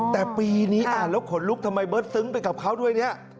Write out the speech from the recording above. แต่ปีนี้อ่านแล้วขนลุกทำไมเบิร์ตซึ้งไปกับเขาด้วยเนี่ย